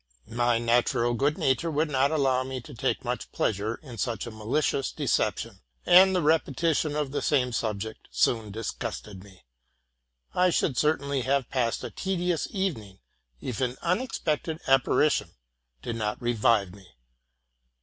My natural good nature would not allow me to take much pleasure in such a malicious deception, and the repetition of the same subject soon disgusted me. I should certainly have passed a tedious evening, if an unexpected apparition had not revived me.